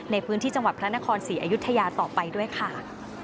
ในพื้นที่จังหวัดพระนครศรีอยุธยาต่อไปด้วยค่ะ